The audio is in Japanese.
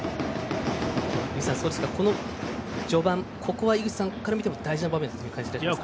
序盤、ここは井口さんから見ても大事な場面という感じですか。